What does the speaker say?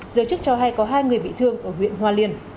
giới chức cho hay có hai người bị thương ở huyện hoa liên